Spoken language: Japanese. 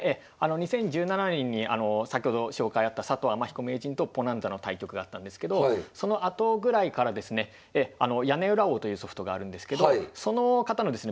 ２０１７年に先ほど紹介あった佐藤天彦名人とｐｏｎａｎｚａの対局があったんですけどそのあとぐらいからですねやねうら王というソフトがあるんですけどその方のですね